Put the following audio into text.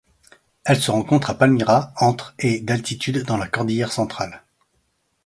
Elle se rencontre à Palmira entre et d'altitude dans la cordillère Centrale.